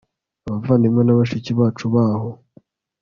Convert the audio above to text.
abavandimwe na bashiki bacu baho